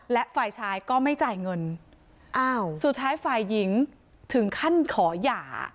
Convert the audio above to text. และฝ่ายชายก็ไม่จ่ายเงินอ้าวสุดท้ายฝ่ายหญิงถึงขั้นขอหย่า